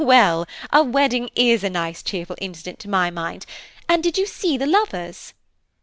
"Well, a wedding is a nice cheerful incident to my mind–and did you see the lovers?"